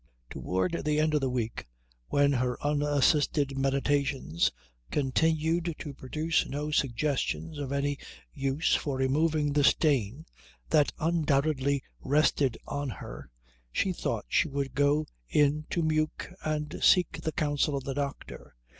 Toward the end of the week, when her unassisted meditations continued to produce no suggestions of any use for removing the stain that undoubtedly rested on her, she thought she would go in to Meuk and seek the counsel of the doctor.